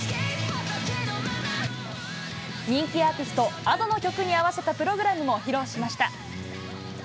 人気アーティスト、Ａｄｏの曲に合わせたプログラムも披露しました。